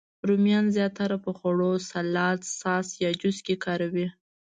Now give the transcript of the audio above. رومیان زیاتره په خوړو، سالاد، ساس، یا جوس کې کاروي